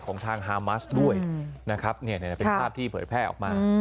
ของทางฮามัสด้วยนะครับเป็นภาพที่เผยแพร่ออกมา